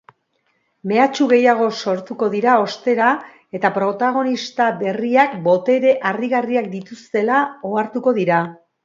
Mehatxu gehiago sortuko dira ostera eta protagonista berriak botere harrigarriak dituztela ohartuko dira.